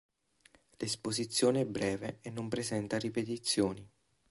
L'esposizione è breve e non presenta ripetizioni.